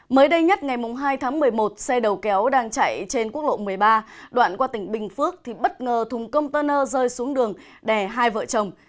mới đây nhất ngày hai tháng một mươi một xe đầu kéo đang chạy trên quốc lộ một mươi ba đoạn qua tỉnh bình phước thì bất ngờ thùng container rơi xuống đường đè hai vợ chồng